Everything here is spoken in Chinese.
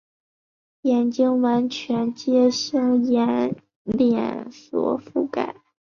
眼完全为脂性眼睑所覆盖。